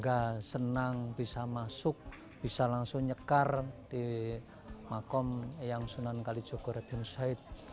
nggak senang bisa masuk bisa langsung nyekar di makam yang sunan kali jaga reden syahid